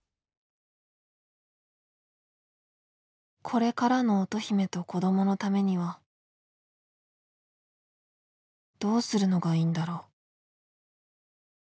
これからの乙姫と子どものためにはどうするのがいいんだろう？